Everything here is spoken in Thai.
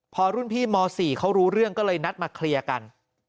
พอรุ่นพี่ม๔เขารู้เรื่องก็เลยนัดมาเคลียร์กัน